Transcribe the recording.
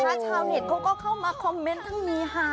ชาวเน็ตเขาก็เข้ามาคอมเมนต์ทั้งนี้ค่ะ